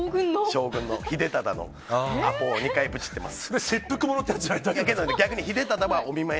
将軍の、ひでただのアポを２回ぶちっています。